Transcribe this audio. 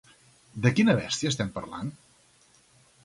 De quina bèstia estem parlant?